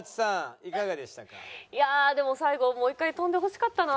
いやでも最後もう一回飛んでほしかったな。